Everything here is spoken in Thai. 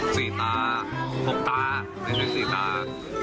สี่ตาหกตานึกถึงสี่ตา